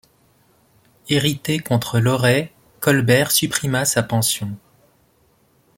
Irrité contre Loret, Colbert supprima sa pension.